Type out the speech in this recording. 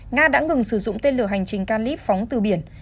nga đã ngừng sử dụng tên lửa hành trình calip phóng từ biển